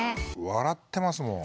笑ってますもん。